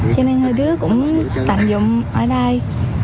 cho nên hơi đứa cũng tạm dụng ở đây